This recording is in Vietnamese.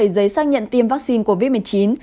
hai mươi bảy giấy xác nhận tiêm vaccine covid một mươi chín